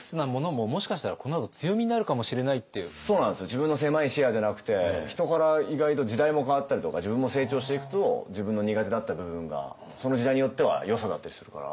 自分の狭い視野じゃなくて人から意外と時代も変わったりとか自分も成長していくと自分の苦手だった部分がその時代によってはよさだったりするから。